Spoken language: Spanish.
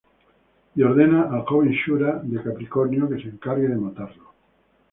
Y ordena al joven Shura de Capricornio que se encargue de matarlo.